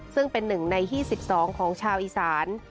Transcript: ซึ่งเป็นหนึ่งใน๒๒ของชาวอิสาน